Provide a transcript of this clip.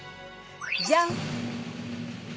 じゃん！